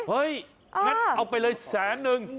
เฮ้ยงั้นเอาไปเลยแสนนึง